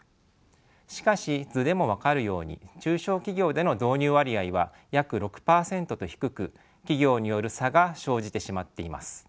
しかし図でも分かるように中小企業での導入割合は約６％と低く企業による差が生じてしまっています。